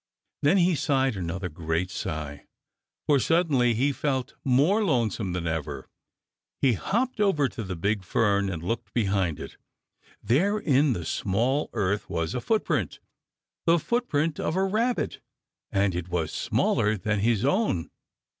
Then he sighed another great sigh, for suddenly he felt more lonesome than ever. He hopped over to the big fern and looked behind it. There in the soft earth was a footprint, the footprint of a Rabbit, and it was SMALLER than his own.